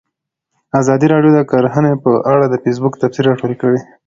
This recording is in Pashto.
ازادي راډیو د کرهنه په اړه د فیسبوک تبصرې راټولې کړي.